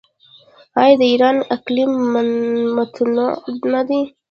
آیا د ایران اقلیم متنوع نه دی؟